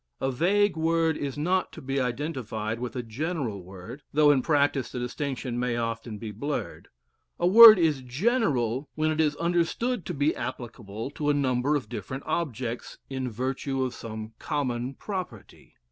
A vague word is not to be identified with a general word, though in practice the distinction may often be blurred. A word is general when it is understood to be applicable to a number of different objects in virtue of some common property.